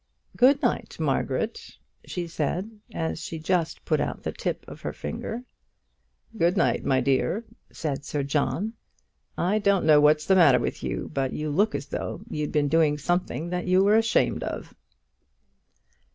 "Good night, Margaret," she said, as she just put out the tip of her finger. "Good night, my dear," said Sir John. "I don't know what's the matter with you, but you look as though you'd been doing something that you were ashamed of."